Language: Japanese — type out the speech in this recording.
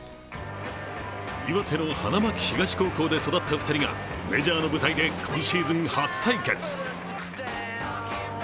岩手の花巻東高校で育った２人がメジャーの舞台で今シーズン初対決。